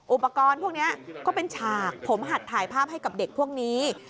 อุปกรณ์พวกนี้ก็เป็นฉากผมหัดถ่ายภาพให้กับเด็กพวกนี้